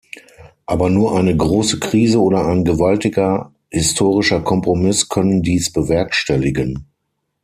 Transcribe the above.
Aber nur eine große Krise oder ein gewaltiger historischer Kompromiss können dies bewerkstelligen.